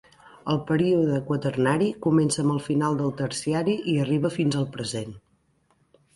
El període quaternari comença amb el final del terciari i arriba fins al present.